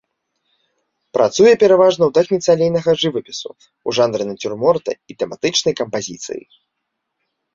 Працуе пераважна ў тэхніцы алейнага жывапісу, у жанры нацюрморта і тэматычнай кампазіцыі.